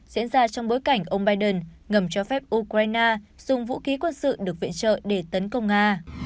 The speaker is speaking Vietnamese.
diễn ra trong bối cảnh ông biden ngầm cho phép ukraine dùng vũ khí quân sự được viện trợ để tấn công nga